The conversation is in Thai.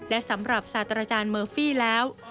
และสำหรับศาสตราจารย์เมอร์ฟี่แล้ว